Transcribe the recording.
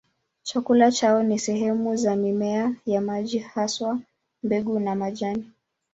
Chakula chao ni sehemu za mimea ya maji, haswa mbegu na majani.